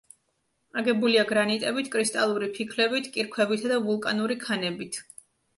აგებულია გრანიტებით, კრისტალური ფიქლებით, კირქვებითა და ვულკანური ქანებით.